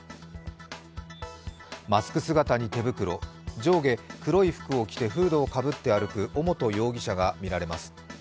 マスク姿に手袋、上下黒い服を着てフードをかぶって歩く尾本容疑者が見られます。